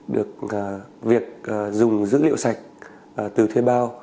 được việc dùng dữ liệu sạch từ thuê bao